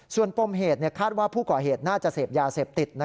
ส่วนปมเหตุคาดว่าผู้ก่อเหตุน่าจะเสพยาเสพติด